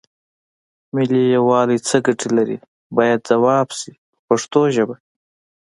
ملي یووالی څه ګټې لري باید ځواب شي په پښتو ژبه.